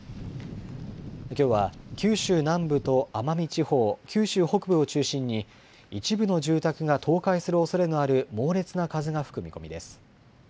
きょうは九州南部と奄美地方、九州北部を中心に一部の住宅が倒壊するおそれのある猛烈な風が吹く見込みです。